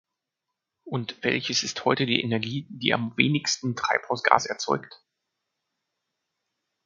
Und welches ist heute die Energie, die am wenigsten Treibhausgas erzeugt?